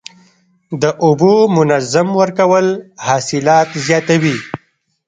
د اوبو منظم ورکول حاصلات زیاتوي.